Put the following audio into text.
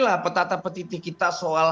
oke lah petata petiti kita suruh milih